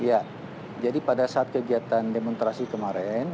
ya jadi pada saat kegiatan demonstrasi kemarin